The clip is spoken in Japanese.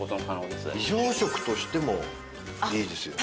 非常食としてもいいですよね。